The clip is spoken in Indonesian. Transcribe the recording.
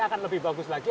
akan lebih bagus lagi